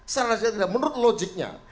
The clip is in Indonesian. secara tidak menurut logiknya